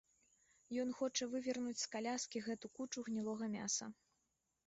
Ён хоча вывернуць з каляскі гэту кучу гнілога мяса.